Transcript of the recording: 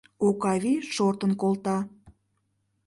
Окавий шортын колта.